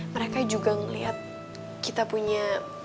mereka juga melihat kita punya